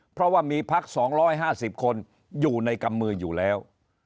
เพราะว่ามีพัก๒๕๐คนอยู่ในกำมืออยู่แล้ว